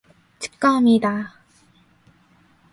축하합니다!